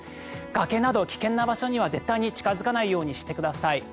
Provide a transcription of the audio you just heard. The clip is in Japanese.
崖など危険な場所には絶対に近付かないようにしてください。